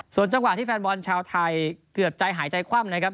ส่วนจังหวะที่แฟนบอลชาวไทยเกือบใจหายใจคว่ำนะครับ